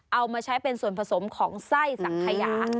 เอามาใช้เป็นส่วนผสมของไส้สังขยา